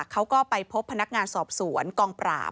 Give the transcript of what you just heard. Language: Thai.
เขาก็ไปพบพนักงานสอบสวนกองปราบ